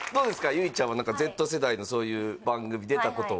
結実ちゃんはＺ世代のそういう番組出たことは？